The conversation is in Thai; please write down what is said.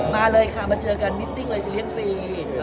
มาเลยค่ะมาเจอกันมิตดิ้งเลยจะเลี้ยงฟรี